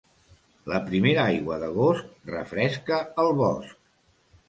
La primera aigua d'agost refresca el bosc.